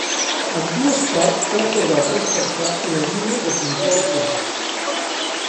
Ambdues parts han acordat respectar la línia de control actual.